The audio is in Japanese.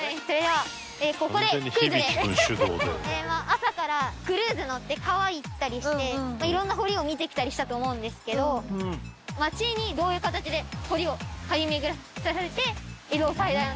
朝からクルーズ乗って川行ったりしていろんな堀を見てきたりしたと思うんですけど町にどういう形で堀を張り巡らさせて。